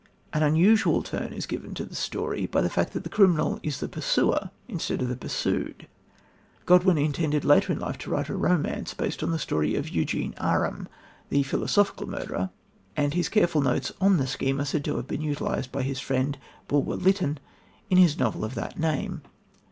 An unusual turn is given to the story by the fact that the criminal is the pursuer instead of the pursued. Godwin intended later in life to write a romance based on the story of Eugene Aram, the philosophical murderer; and his careful notes on the scheme are said to have been utilised by his friend, Bulwer Lytton, in his novel of that name.